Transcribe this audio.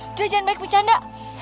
udah jangan baik bercanda